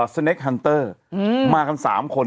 สเนคฮันเตอร์มากัน๓คน